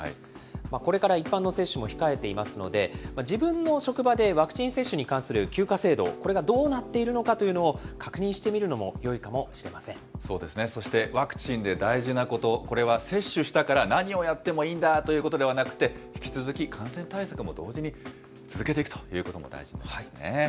これから一般の接種も控えていますので、自分の職場でワクチン接種に関する休暇制度、これがどうなっているのかというのを確認してみるのもよいかもしそうですね、そしてワクチンで大事なこと、これは接種したから何をやってもいいんだということではなくて、引き続き感染対策も同時に続けていくということも大事になるんですね。